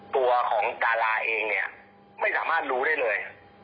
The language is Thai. ตัวของดาราเองเนี่ยไม่สามารถรู้ได้เลย